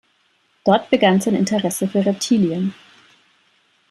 Dort begann sein Interesse für Reptilien.